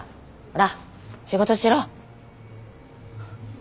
ほら仕事しろ。